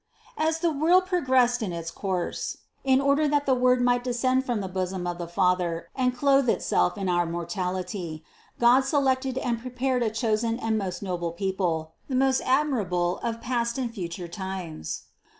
145. As the world progressed in its course, in order that the Word might descend from the bosom of the Father and clothe Itself in our mortality, God selected and prepared a chosen and most noble people, the most admirable of past and future times.